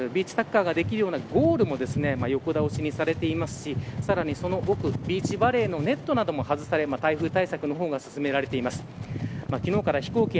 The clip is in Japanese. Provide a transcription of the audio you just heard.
ビーチにあるビーチサッカーができるようなゴールも横倒しにされていますしさらにその奥、ビーチバレーのネットなども外され台風対策が進められています。